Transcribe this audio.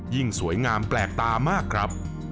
สวยงามแปลกตามากครับ